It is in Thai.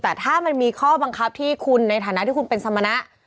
แต่ถ้ามันมีข้อบังคับที่คุณในฐานะที่คุณเป็นสมณะ